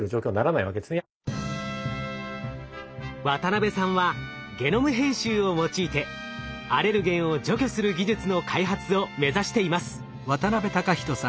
渡さんはゲノム編集を用いてアレルゲンを除去する技術の開発を目指しています。